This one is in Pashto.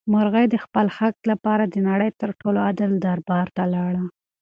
مرغۍ د خپل حق لپاره د نړۍ تر ټولو عادل دربار ته لاړه.